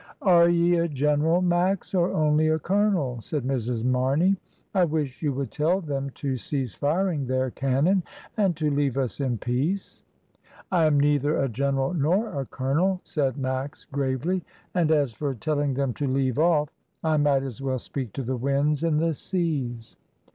"Are ye a general. Max, or only a colonel?" said Mrs. Mamey. "I wish you would tell them to cease firing their cannon and to leave us in peace!" "I am neither a general nor a colonel," said Max gravely, "and as for telling them to leave off, I might as well speak to the winds and the seas.